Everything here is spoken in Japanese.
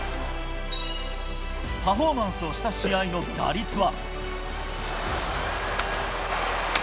パフォーマンスをした試合の打率は。